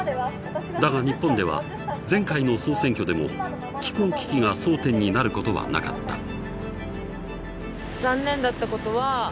だが日本では前回の総選挙でも気候危機が争点になることはなかった。